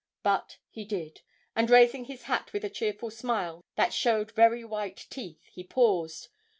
But he did, and raising his hat, with a cheerful smile, that showed very white teeth, he paused.